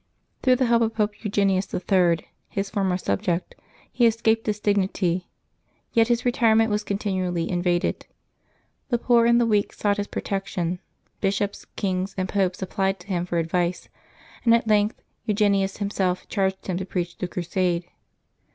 Through the help of Pope Eugenius III., his former sub ject, he escaped this dignity; yet his retirement was con tinually invaded: the poor and the weak sought his pro tection; bishops, kings, and popes applied to him for advice; and at length Eugenius himself charged him to preach the crusade.